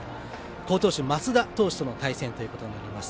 好投手松田投手との対戦となります。